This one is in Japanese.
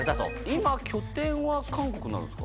今拠点は韓国になるんですか？